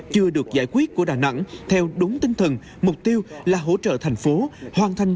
chưa được giải quyết của đà nẵng theo đúng tinh thần mục tiêu là hỗ trợ thành phố hoàn thành